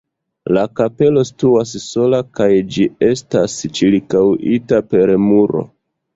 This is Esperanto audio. La kapelo situas sola kaj ĝi estas ĉirkaŭita per muro.